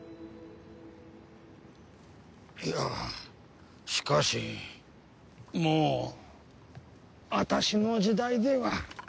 いやしかしもう私の時代では。